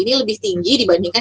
ini lebih tinggi dibandingkan